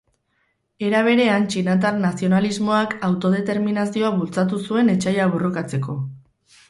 Era berean txinatar nazionalismoak autodeterminazioa bultzatu zuen etsaia borrokatzeko.